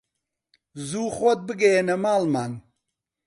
زوو خۆت بگەیەنە ماڵمان